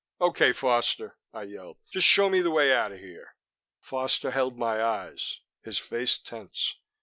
"OK, Foster!" I yelled. "Just show me the way out of here." Foster held my eyes, his face tense.